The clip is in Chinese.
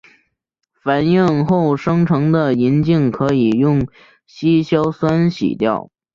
反应后生成的银镜可以用稀硝酸洗掉。